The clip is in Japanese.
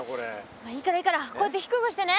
まあいいからいいからこうやって低くしてね。